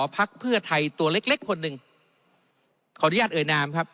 พักเพื่อไทยตัวเล็กเล็กคนหนึ่งขออนุญาตเอ่ยนามครับ